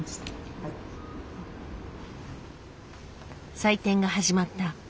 採点が始まった。